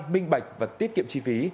minh bạch và tiết kiệm chi phí